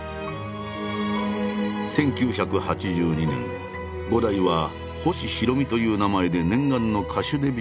１９８２年伍代は「星ひろみ」という名前で念願の歌手デビューを果たした。